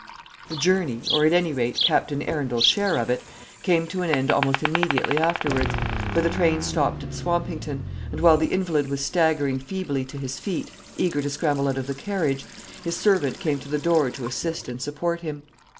The journey, or at any rate Captain Arundel's share of it, came to an end almost immediately afterwards, for the train stopped at Swampington; and while the invalid was staggering feebly to his feet, eager to scramble out of the carriage, his servant came to the door to assist and support him.